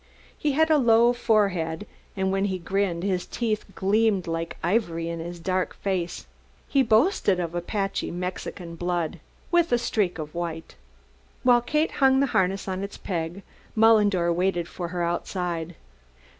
He had a low forehead, and when he grinned his teeth gleamed like ivory in his dark face. He boasted of Apache Mexican blood "with a streak of white." While Kate hung the harness on its peg, Mullendore, waited for her outside.